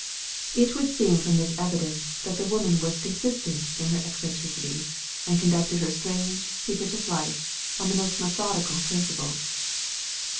It would seem from this evidence that the woman was consistent in her eccentricities, and conducted her strangely secretive life on the most methodical principles.